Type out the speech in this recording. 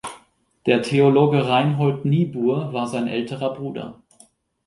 Der Theologe Reinhold Niebuhr war sein älterer Bruder.